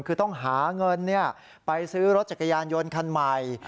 คือต้องหาเงินไปซื้อรถจักรยานยนต์คันใหม่